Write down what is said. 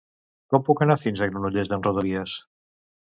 Com puc anar fins a Granollers amb Rodalies?